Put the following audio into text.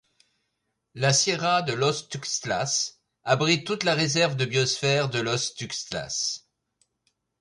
La sierra de Los Tuxtlas abrite toute la réserve de biosphère de Los Tuxtlas.